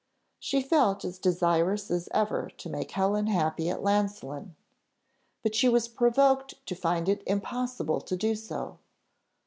She felt as desirous as ever to make Helen happy at Llansillen, but she was provoked to find it impossible to do so.